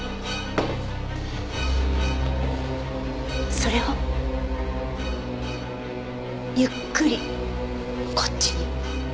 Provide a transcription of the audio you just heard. それをゆっくりこっちに。